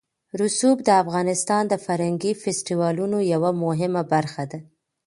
رسوب د افغانستان د فرهنګي فستیوالونو یوه مهمه برخه ده.